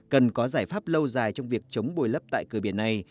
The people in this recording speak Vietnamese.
cần có giải pháp lâu dài trong việc chống bồi lấp tại cửa biển này